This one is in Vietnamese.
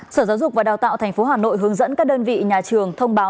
sở giáo dục và đào tạo tp hà nội hướng dẫn các đơn vị nhà trường thông báo